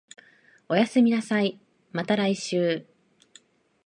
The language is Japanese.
おやすみなさい、また来週